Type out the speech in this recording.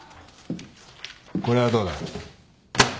これはどうだ？